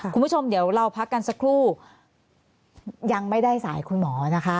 คุณผู้ชมเดี๋ยวเราพักกันสักครู่ยังไม่ได้สายคุณหมอนะคะ